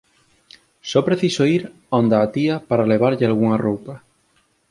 Só preciso ir onda a tía para levarlle algunha roupa.